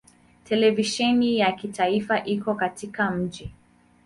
Televisheni ya kitaifa iko katika mji.